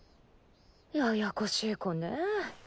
ややこしい子ねぇ。